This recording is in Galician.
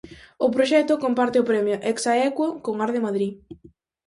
O proxecto comparte o premio Ex Aequo con Arde Madrid.